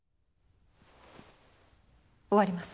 終わります。